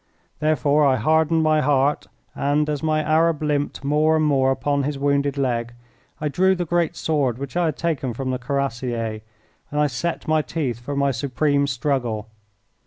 Therefore I hardened my heart and, as my Arab limped more and more upon his wounded leg, I drew the great sword which I had taken from the Cuirassier, and I set my teeth for my supreme struggle.